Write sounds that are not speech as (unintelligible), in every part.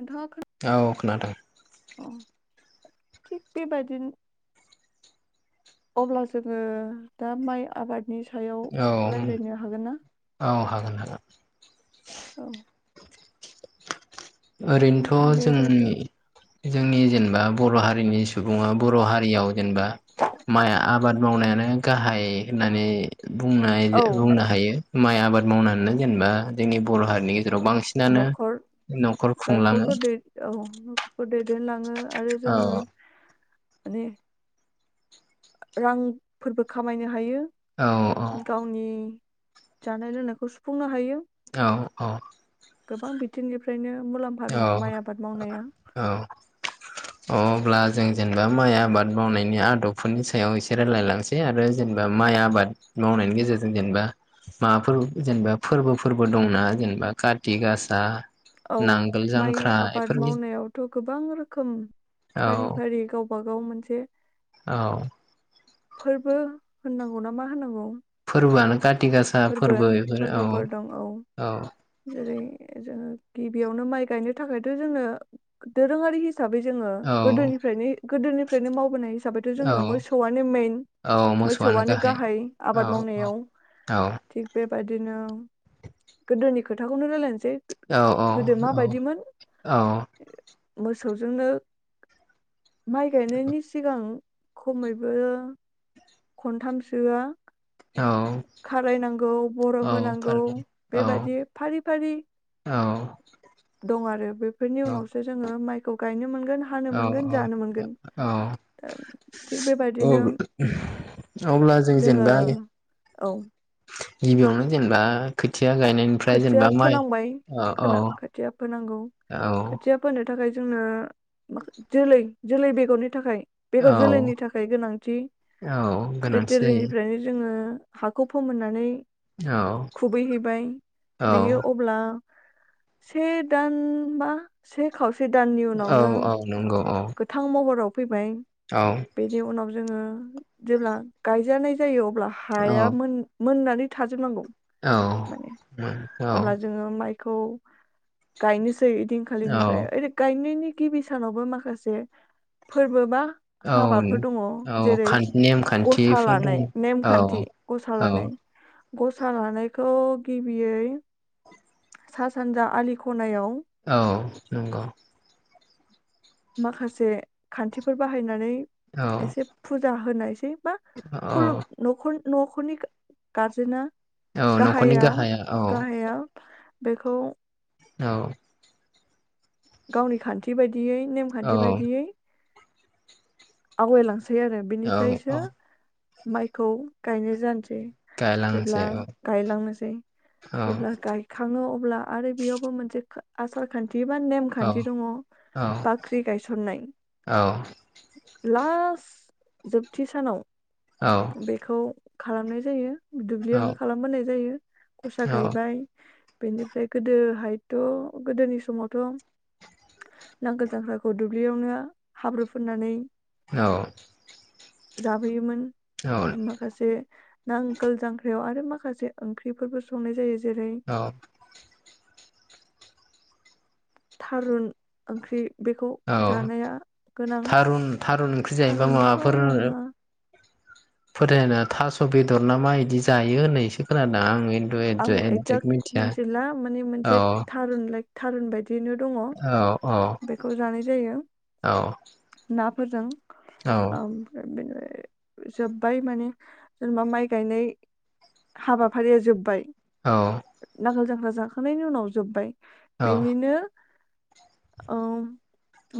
नोंथाङा खोना औ खोनादों। अ थिग बेबायदिन अब्ला जोङो दा माइ आबाद नि सायाव औ रायलायनो हागोन ना? औ हागोन हागोन औ ओरैनोथ' बेबायदि जोंनि जोंनि जेनेबा बर' हारिनि सुबुङा बर' हारियाव जेनेबा माइ आबाद मावनायानो गाहाय होननानै बुंनाय औ बुंनो हायो। माइ आबाद मावनानैनो जेनेबा जोंनि बर' हारिनि गेजेराव बांसिनानो न'खर खुंलाङो न'खरफोरनि दैद औ नखरखौ दैद देनलाङो आरो औ जोङो माने रांफोरबो खामायनो हायो। औ औ गावनि जानाय लोंनायखौ सुफुंनो हायो। औ औ। गोबां बिथिंनिफ्रायनो मुलाम्फा दङ' माइ औ आबाद मावनाया। औ अ अब्ला जों जेनेबा माइ आबाद मावनायनि आदबफोरनि सायाव एसे रायलायलांसै आरो जेनोबा माइ आबाद मावनायनि गेजेरजों जेनोबा माबाफोर जेनोबा फोरबोफोरबो दंना जेनोबा काति गासा औ नांगोल माइ जांख्रा आबाद बेफोरनि मावनायावथ' गोबां रोखोम फारि औ फारि गाव गावबागाव मोनसे औ। फोरबो होननांगौ ना मा होनांगौ? फोरबोयानो फोरबो फोरबोफोर दङ' औ जेरै जोङो गिबियावनो माइ गायनो थाखायथ' जोङो दोरोङारि हि साबै जोङो औ गोदोनिफ्रायनो गोदोनिफ्रायनो मावबोनाय हिसाबैथ' औ जोंनो मोसौयानो मेन औ मोसौआनो मोसौयानो गाहाय औ आबाद औ मावनायाव। औ। बायदिनो गोदोनि खोथाखौनो रायलायनो औ औ औ औ। मोसौजोंनो माइ गायनायनि सिगां खमैबो खनथामसोआ औ खारायनांगौ बर' औ होनांगौ थारैनो औ बेबायदि फारि फारि औ दं आरो बेफोरनि औ उनावसो जोङो माइ खौ गायनो मोन औ औ औ दा थिग ओ बेबायदिनो अब्ला जों जोङो जेनोबाय औ। गिबियावनो जेनेबा खोथि खोथिया फोनांबाय खोना औ खोथिया फोनांगौ औ खोथिया फोनो थाखाय जोंङो माखा जोलै जोलै बेगरनि थाखाय बेगर औ जोलैनि थाखाय गोनांथि। औ बे गोनांथि जायो जोलैनिफ्रायनो जोङो हाखौ फोमोननानै खुबै हैबाय औ बेयो अब्ला से दान बा से खाव औ औ नंगौ। औ गोथां महराव फैबाय औ बेनि उनाव जोङो जेब्ला गायजानाय जायो अ ब्ला हाया मोन मोननानै थाजोबनांगौ। औ उम औ। खौ गायनो (unintelligible) औ दिनखालिनिफ्राय ओरै गायनायनि। गिबि सानावबो माखासे (unintelligible) फोरबो बा औ हाबाफोर दङ' औ जेरै खान गरसा नेमखान्थिफोर दङ लानाय औ नेमखान्थि गसा औ लानाय। गसा लानायखौ गिबियै सा सानजा आलि खनायाव। औ नंगौ। माखासे खान्थिफोर बाहायनानै। औ एसे फुजा होनाय। (unintelligible) (unintelligible) औ खलुम नखुल न'खरनि गारजेना। औ न'खरनि गाहाया औ। गाहाया बेखौ औ। गावनि खान्थि बायदि यै नेमखान्थि औ बायदियै। आवगायलां सै आरो औ बिनिफ्रायसो। औ माइखौ गायनाय जानो सै गायलांसै जेब्ला औ गायलांनोसै, औ जेब्ला गायखाङो अब्ला आरो बेयावबो मोनसे खो आसारखान्थि बिबान औ नेमखान्थि दङ' औ बाख्रि गायसननाय। औ औ लास्ट जोबथि सानाव बेखौ खालामनाय जायो। दुब्लियावनो खालामबोनाय जायो गसा औ गायबाय बेनिफ्राय गोदोहायथ' गोदोनि समावथ' नांगोल जांख्राखौ दुब्लियावनो हाब्रु फोननानै औ जाबोयोमोन माखासे नांगोल जांख्रायाव आ माखासे ओंख्रिफोरबो संनाय जायो। जेरै औ थारुन ओंख्रि बेखौ औ जानाया गोनां थारुन थारुन ओंख्रि जायोबा थारन्थ' माबाफोर नङा। फोथायना थास' बेदर ना मा इदि जायो होननायसो खोना आं एकजाक्ट मिथिला माने औ मोनसे थारुन लाइक थारुन बायदि दिनो दङ' औ औ बेखौ जानाय जायो औ ना फोरजों औ आमफ्राय बेनो जोब्बाय माने जोंनाव माइ गायनाय हाबाफारिया जोब बाय औ नांगोल जांख्रा जाखांनायनायनि उनाव जोबबाय औ बेनिनो औ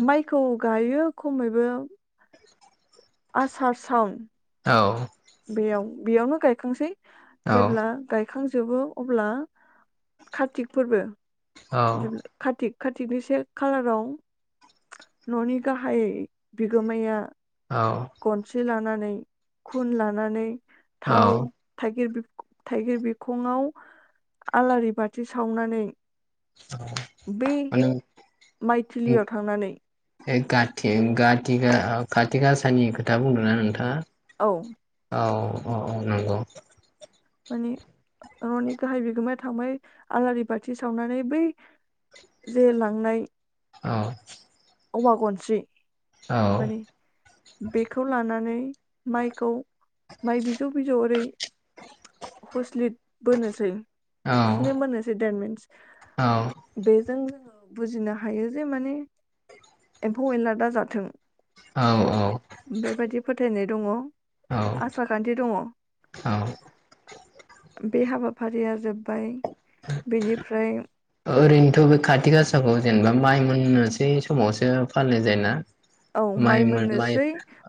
माइखौ गायो खमैबो आसार सावन औ बेयाव बेयावनो गायखांसै औ जेब्ला गाय खांजोबो अब्ला कारतिक फोरबो बिदि खाथिक कातिकनि से खालाराव न'नि गाहाय बिगोमाया औ गनसि लानानै खुन लानानै थाव थाइगिर थाइगिर बिखंआव आलारि बाथि सावनानै बे (unintelligible) माइथिलियाव थांनानै बे खाथि गाथिगआ गासानि खोथा बुंदोंना नोंथाङा औ औ औ नंगौ। माने न'नि गाहाय बिगोमाया थांबाय आलारि बाथि सावनानै बै जे लांनाय औ औवा गनसि औ मानि बेखौ लानानै माइखौ माइ बिजौ बिजौ ओरै हुस्लिद बोनोसै औ खिलि मोननोसै देट मिन्स औ बेजों बुजिनो हायो जे माने एम्फौ एनला दा जाथों। औ औ बेबायदि फोथायनाय दङ‌। औ आसार खान्थि दङ। औ बे हाबाफारिया जोब्बाय बेनिफ्राय ओरैनोथ' बे कातिक हासाखौ जेनेबा माइ मोननोसै समावसो फालिनाय जायोना? औ माइ माइ मोननोसै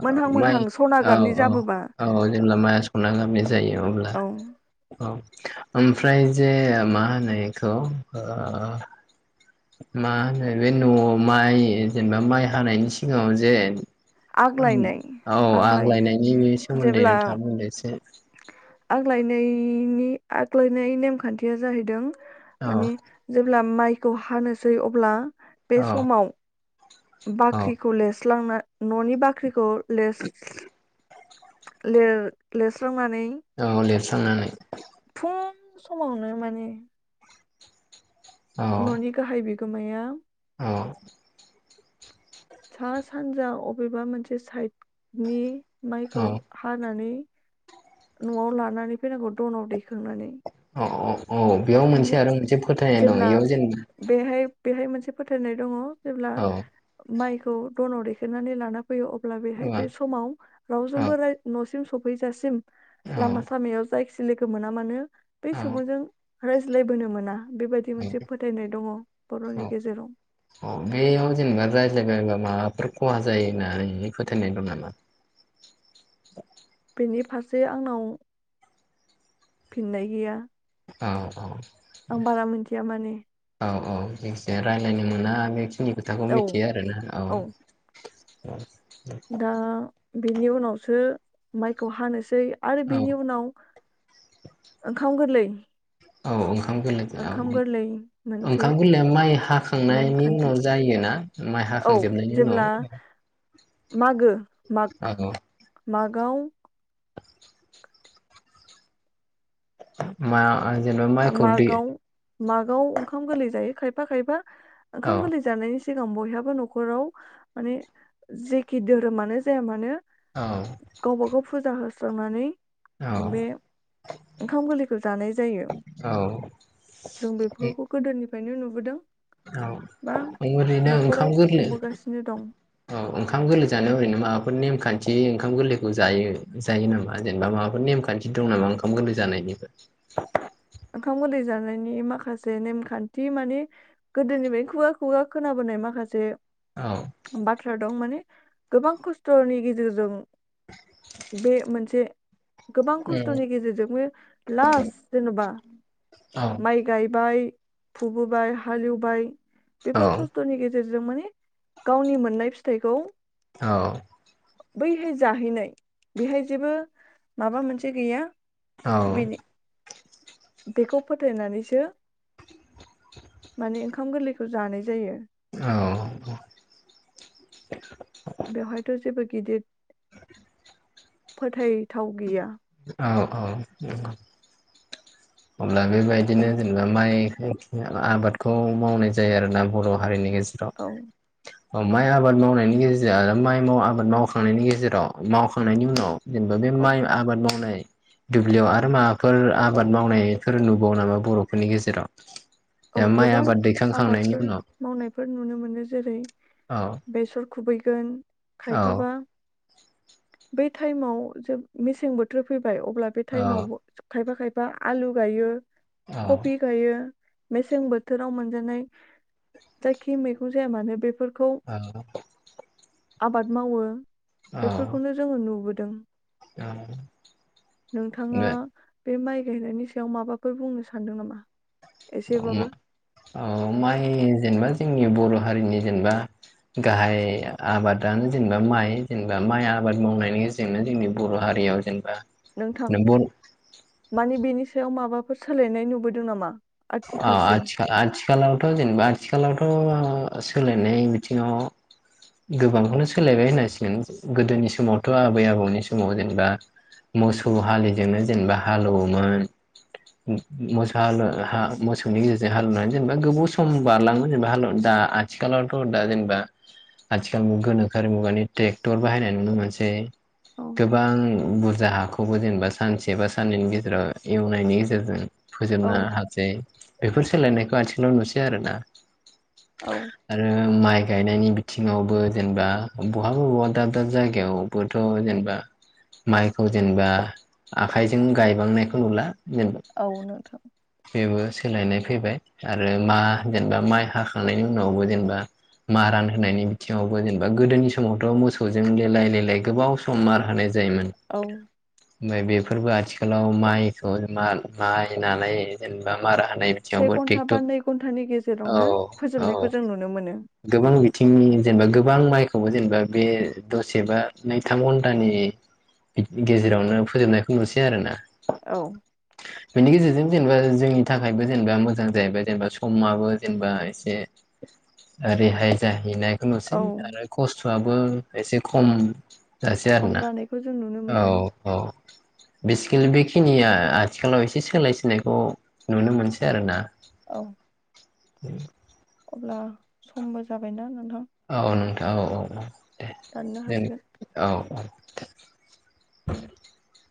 मोनहां म मोनहां सना औ गाबनि औ जाबोबा औ जेब्ला माइआ संनांगोन। जायो अब्ला औ औ। ओमफ्राय जे मा होनो एखौ मा होनो बे न'आव माइ जेनेबा माइ हानायनि सिगाङाव जे आग्लायनाय औ आग्लायनाय आग्लायनायनि सोमोन्दै जेब्ला नोंथां बुंदो एसे‌ आग्लायनायनि आग्लायनाय नेमखान्थिया जाहैदों औ माने जेब्ला माइ खौ हानोसै अब्ला बे औ समाव औ बाख्रि कलेज सिस्लांना न'नि बाख्रिखौ लेस लेर लेरस्रांना औ ले थांनानै गोबां समावनो माने औ न'नि गाहाय बि गोमाया औ सा सानजा अबेबा मोनसे साइदनि माइखौ औ हानानै न'आव लानानै फैनांगौ दनाव दैखांनानै अ अह औ बेयाव मोनसे माने आरो मोनसे फोथायनाय दं जेब्ला बेयाव जेनेबा बेहाय बेहाय मोनसे फोथायनाय दङ जेब्ला औ माइ खौ दनाव दैेखायनानै लाना फैयो अब्ला बेहाय औ बे समाव औ रावजोंबो नों सफैजासिम लामा सामायाव जाय सिलोगो मोना मानो बे औ सुबुंजों रायज्लायबोनो मोना बेबायदि मोनसे फोथायनाय दङ औ बर'नि गेजेराव औ बेयाव जेनेबा रायज्लायबायबा माबाफोर खहा जायो होननानै नोंनि फोथायनाय दं नामा बिनि फारसे आंनाव फिननाय गैया औ औ आं बारा मिथिया माने औ औ जायखिजा रायज्लायनो मोना (unintelligible) जोंनि खोथाखौ औ मिथियो आरोना औ अ दा बिनि उनावसो माइखौ हानोसै आरो औ औ बिनि उनाव ओंखाम गोरलै (inaudible) औ ओंखाम गोरलै ओंखाम गोरलै मोनसे ओंखाम गोरलैया माइ हाखांनायनि नेमखान्थि उनाव जायोना माइ औ हाखांजोबनायनि उनाव जेब्ला औ मागाव मा आ जेनबा माय खा- खौ दे मागआव मागआव ओंखाम गोरलै जायो खायफा खायफा औ ओंखाम गोरलै जानायनि सिगां बयहाबो न'खराव माने जेखि धोरोमानो जाया मानो औ स्रांनानै बे ओंखाम गोरलैखौ जानाय जायो। औ जों बेफोरखौ गोदोनि निफ्रायनो नुबोदों। बा औ ओरैनो ओंखाम न'खराव गोरलै खुंबोगासिनो दं औ ओंखाम गोरलै जानायाव ओरैनो माबाफोर नेम खान्थि ओंखाम गोरलैखौ जायो जायो नामा जेनेबा माबाफोर नेमखान्थि दं नामा ओंखाम गोरलै जानायनिबो? ओंखाम गोरलै जानायनि माखासे नेमखान्थि माने गोदोनिफ्राय खुगा खुगा खोनाबोनाय माखासे औ बाथ्रा दं माने गोबां खस्थ'नि गेजेरजों बे मोनसे गोबां खस्थ'नि गेजेरजोंनो लास्ट जेन'बा औ माइ गाय बाय फुग्रोबाय हालेएवबाय औ बेफार खस्थ'नि गेजेरजों माने गावनि मोननाय फिथाइखौ औ बैहाय जाहैनाय बेहाय जेबो माबा मोनसे गैया औ बेनि बेखौ फोथायनानैसो माने ओंखाम गोरलैखौ जानाय जायो। औ (inaudible) बेवहायथ' जेबो गिदिर (inaudible) फोथाय थाव गैया औ औ नंगौ अब्ला बेबायदिनो जेनेबा माइ खाय आबादखौ मावनाय जायो आरोना बर' हारिनि गेजेराव औ (unintelligible) ओ माइ आबाद मावनायनि गेजेर आरो माइ आबाद मावखांनायनि गेजेराव मावखांनायनि उनाव जेन बे औ माइ आबाद मावनाय दुब्लियाव आरो माबाफोर आबाद मावनायफोर नुबावो नामा बर'फोरनि गेजेराव? औ दा माइ गोबां आबाद दैखांखांनायनि आबादफोर उनाव मावनायफोर नुनो मोनो जेरै बेसर खुबैगोन औ खायफाबा बै टाइमाव जे मेसें बोथोर फै बाय अब्ला बे औ टाइमावबो खायफा खायफा बा आलु गायो। कपि गायो। मेसें बोथोराव मोनजानाय जायखि मैगं जाया मानो बेफोर औ आबाद मावो। बेफोरखौनो जोङो नुबो दों। औ नोंथाङा। औ बे माइ गायनायनि सायाव माबाफोर बुंनो सानदों नामा? एसेबाबो (unintelligible) ओ‌ माइ जेनेबा जोंनि बर' हारिनि जेनेबा गाहाय आबादानो जेनेबा माइ जेनेबा माइ आबाद मावनायनि जोंनो जोंनि बर' हारियाव जेनेबा नोंथां बर माने बेनि सायाव माबाफोर सोलायनाय नुबोदों नामा? आथिखालसिम आ-आथिखा आथिखालावथ' जेनबा आजखालथ'। ओ सोलायनाय बिथिंङाव गोबांखौनो सोलायबाय होननांसिगोन गोदोनि समावथ' आबै आबौनि समाव जेनेबा मोसौ हालिजोंनो जेनबा हालौवोमोन मो-मोसौ हालु हा मोसौनि गेजेरजों हालेवनानै जेनेबा गोबाव सम बारलाङोमोन जेनेबा हालेव दा आथिखालावथ' दा जेनेबा आथिखाल मु गोनोखोआरि मुगानि टेक्टर बाहायनाय नुनो मोनसेै औ गोबां बुरजा हाखौबो जेनेबा सानसे बा साननैनि गेजेराव एवनायनि गेजेरजों। औ फोजोबनो हासै। बेफोर सोलायनायखौ आथिखालाव नुसै आरो ना। औ आरो माइ गायनायनि बिथिङावबो जेनेबा बहाबा बवा दाब दाब जायगायावबोथ' जेनबा माइखौ जेनबा आखाइजों गायबांनायखौ नुला। औ नोंथां (unintelligible) बेबो। सोलायनाय फैबाय आरो मा जेनबा माइ हाखांनायनि उनावबो जेनबा मा रान होनायनि बिथिङावबो जेनबा गोदोनि समावथ' मोसौजों लेलाय लेलाय गोबाव सम मार होनाय‌ जायोमोन। औ ओमफाय बेफोरबो आथिखालाव माइखौ माल माइ नानाय जेनेबा माराहो से घन्टा बा नै घन्टानि औ गेजेरावनो फोजोबनायखौ जों नुनो मोनो। थिंनि जेनबा गोबां माइखौबो जेनबा बे दसे बा नैथाम घन्टानि गेजेरावनो फोजोबनायखौ नुसै आरो ना। औ बेनि गेजेरजों जेनेबा जोंनि थाखायबो जेनबा मोजां जाहैबाय जेनबा समाबो जेनबा एसे रेहाय जाहैना नुसै औ आरो खस बाबो एसे खम दासे खम आरोना जानायखौ जों नुनो औ मोनदों औ। बिसिकेल बेखिनिया आथिखालाव एसे सोलाय सोलायखौ। नुनो मोनसै आरो ना। औ। उम। अब्ला समबो जाबायना नोंथां। औ नोंथां औ औ औ। दे दाननो देन हासिगोन औ औ। (unintelligible)